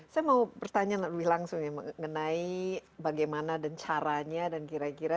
saya mau bertanya lebih langsung ya mengenai bagaimana dan caranya dan kira kira